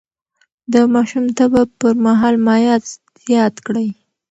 د ماشوم د تبه پر مهال مايعات زيات کړئ.